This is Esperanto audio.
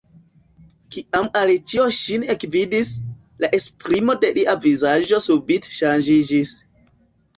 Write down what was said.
Kiam Aleĉjo ŝin ekvidis, la esprimo de lia vizaĝo subite ŝanĝiĝis.